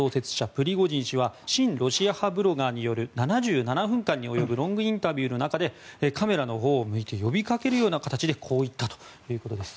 プリゴジン氏は親ロシア派ブロガーによる７７分間に及ぶロングインタビューの中でカメラのほうを向いて呼びかけるような形でこう言ったということです。